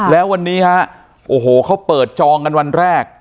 แล้ววันนี้ฮะโอ้โหเขาเปิดจองกันวันแรก